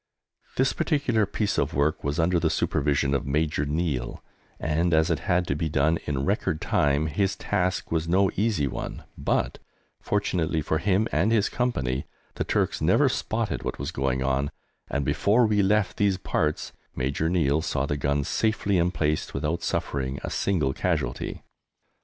This particular piece of work was under the supervision of Major Neill, and, as it had to be done in record time, his task was no easy one, but, fortunately for him and his Company, the Turks never spotted what was going on, and before we left these parts Major Neill saw the guns safely emplaced without suffering a single casualty.